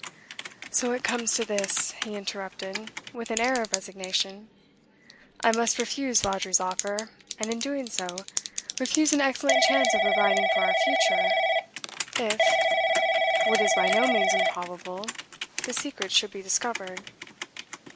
'So it comes to this,' he interrupted, with an air of resignation. 'I must refuse Vawdrey's offer, and, in doing so, refuse an excellent chance of providing for our future, if what is by no means improbable the secret should be discovered.